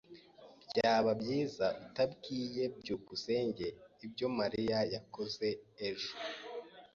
Byaba byiza utabwiye byukusenge ibyo Mariya yakoze ejo.